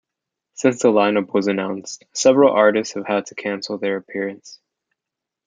Since the lineup was announced, several artisits have had to cancel their appearance.